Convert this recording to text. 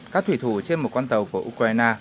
các thủy thủ trên một con tàu của ukraine